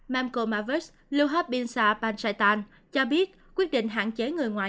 mamko mavus luhabinsa pansaitan cho biết quyết định hạn chế người ngoài